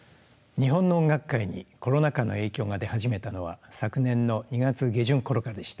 日本の音楽界にコロナ禍の影響が出始めたのは昨年の２月下旬ころからでした。